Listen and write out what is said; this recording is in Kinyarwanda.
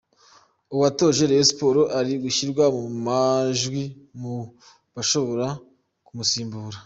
Uwatoje Rayon Sports ari gushyirwa mu majwi mu bashobora kumusimbura.